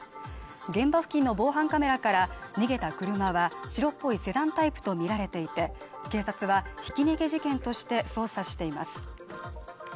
現場付近の防犯カメラから逃げた車は白っぽいセダンタイプとみられていて警察はひき逃げ事件として捜査しています